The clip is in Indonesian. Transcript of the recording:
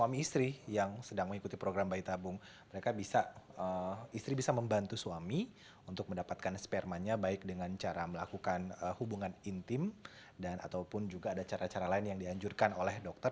istri bisa membantu suami untuk mendapatkan spermanya baik dengan cara melakukan hubungan intim dan ataupun juga ada cara cara lain yang dianjurkan oleh dokter